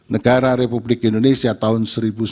negara republik indonesia tahun seribu sembilan ratus empat puluh